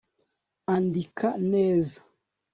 andika neza